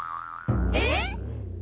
えっ！？